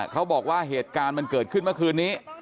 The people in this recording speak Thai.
เขาบอกว่าเหตุการณ์มันเกิดขึ้นเมื่อคืนนี้